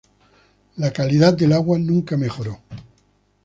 La calidad del agua nunca mejoró.